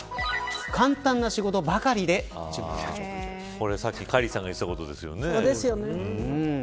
これさっきカリンさんが言ってたことですよね。